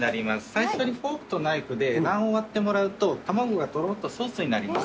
最初にフォークとナイフで卵黄割ってもらうと卵がとろっとソースになります。